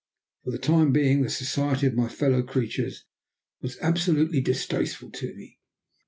For the time being the society of my fellow creatures was absolutely distasteful to me.